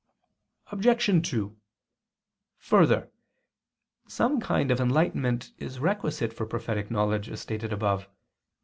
Obj. 2: Further, some kind of enlightenment is requisite for prophetic knowledge, as stated above (Q.